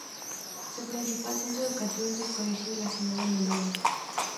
Su principal centro educativo es el colegio Ciudad de Loyola.